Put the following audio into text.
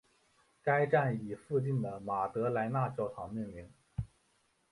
该站以附近的马德莱娜教堂命名。